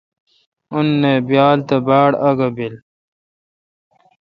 آں نا ۔بیال تہ باڑ آگہ بیل۔